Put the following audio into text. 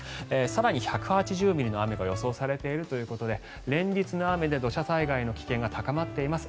更に、１８０ミリの雨が予想されているということで連日の雨で土砂災害の危険が高まっています。